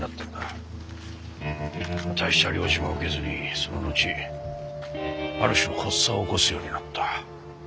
大した療治も受けずにその後ある種の発作を起こすようになった。